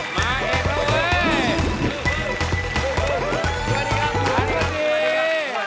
มาเองนะเว้ย